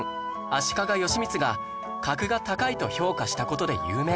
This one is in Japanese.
足利義満が格が高いと評価した事で有名